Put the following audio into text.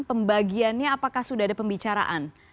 pembagiannya apakah sudah ada pembicaraan